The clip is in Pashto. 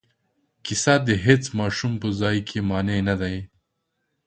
کیسه د هیڅ ماشوم په ځای کې مانع نه دی.